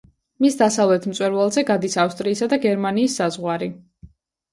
მის დასავლეთ მწვერვალზე გადის ავსტრიისა და გერმანიის საზღვარი.